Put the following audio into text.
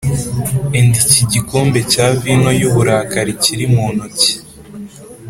Enda iki gikombe cya vino y uburakari kiri mu ntoki